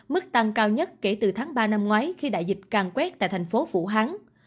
mức tăng cao nhất kể từ tháng ba năm ngoái khi đại dịch càng quét tại thành phố vũ hán